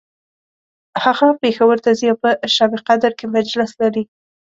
هغه پیښور ته ځي او په شبقدر کی مجلس لري